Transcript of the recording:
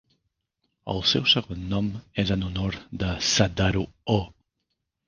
El seu segon nom és en honor de Sadaharu Oh.